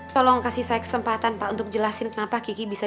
tolong kasih saya kesempatan pak untuk jelasin kenapa kiki bisa